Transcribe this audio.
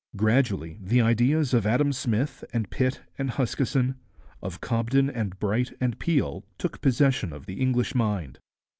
Gradually the ideas of Adam Smith and Pitt and Huskisson, of Cobden and Bright and Peel, took possession of the English mind.